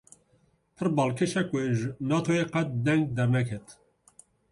Pir balkêşe ku ji Natoyê qet deng derneket